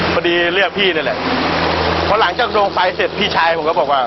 เรียกพี่นั่นแหละพอหลังจากดวงไฟเสร็จพี่ชายผมก็บอกว่า